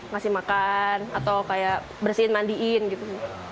ngasih makan atau kayak bersihin mandiin gitu